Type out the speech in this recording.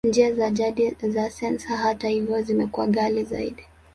Njia za jadi za sensa, hata hivyo, zimekuwa ghali zaidi.